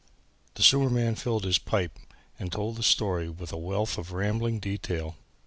The sewer man filled his pipe and told the story with a wealth of rambling detail.